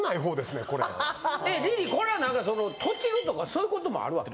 リリーこれは何かそのとちるとかそういうこともあるわけ？